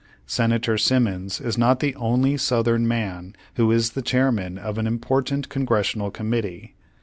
Senator Simmons is not the only Southern man who is the chairman of an import ant Congressional Committee.